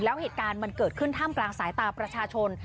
แล้วเหตุการณ์มันเกิดขึ้นท่ามกลางสายตาประชาชน